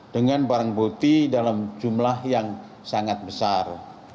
dengan barang bukti dalam jumlah yang sangat besar